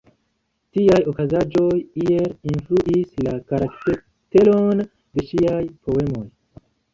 Tiaj okazaĵoj iel influis la karakteron de ŝiaj poemoj.